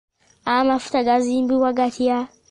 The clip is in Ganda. Amafuta gasimibwa gatya?